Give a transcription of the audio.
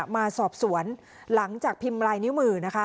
มาสอบสวนหลังจากพิมพ์ลายนิ้วมือนะคะ